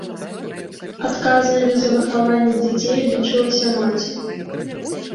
Адказнымі за выхаванне дзяцей лічылася маці.